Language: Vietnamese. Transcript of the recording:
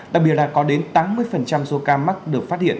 đặc biệt là có đến tám mươi số ca mắc được phát hiện